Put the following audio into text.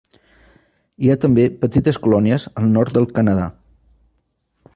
Hi ha també petites colònies al nord del Canadà.